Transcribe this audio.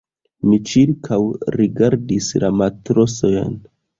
Mi ĉirkaŭrigardis la matrosojn.